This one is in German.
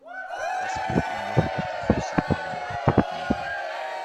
Das wird ihm noch auf die Füße fallen, glaub mir!